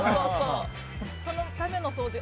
そのための掃除。